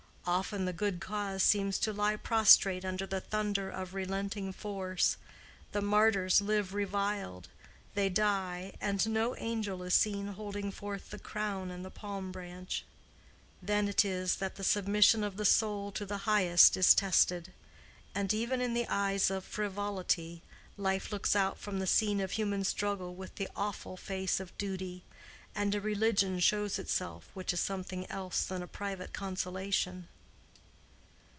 Often the good cause seems to lie prostrate under the thunder of unrelenting force, the martyrs live reviled, they die, and no angel is seen holding forth the crown and the palm branch. Then it is that the submission of the soul to the Highest is tested, and even in the eyes of frivolity life looks out from the scene of human struggle with the awful face of duty, and a religion shows itself which is something else than a private consolation.